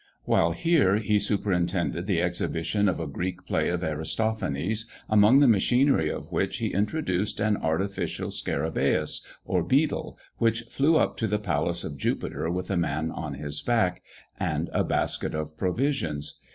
While here he superintended the exhibition of a Greek play of Aristophanes, among the machinery of which he introduced an artificial scarabæus, or beetle, which flew up to the palace of Jupiter with a man on his back, and a basket of provisions.